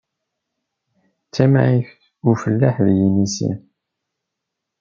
D tamɛayt n ufellaḥ d yinisi.